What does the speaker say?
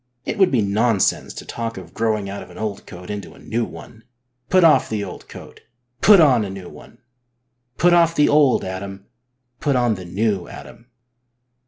It would be nonsense to talk of growing out of an old coat into a new one. Put off the old coat, put on a new one ! Put off the old Adam, put on the new Adam